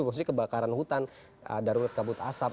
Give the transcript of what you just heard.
khususnya kebakaran hutan darurat kabut asap